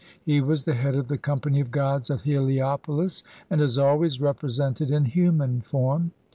He was the head of the company of gods at Heliopolis, and is always represented in human form.